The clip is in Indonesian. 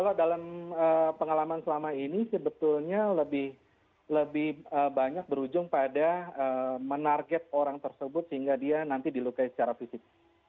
kalau dalam pengalaman selama ini sebetulnya lebih banyak berujung pada menarget orang tersebut sehingga dia nanti dilukai secara fisik